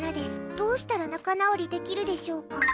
どうしたら仲直りできるでしょうか。